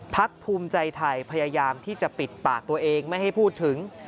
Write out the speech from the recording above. ภูมิใจไทยพยายามที่จะปิดปากตัวเองไม่ให้พูดถึง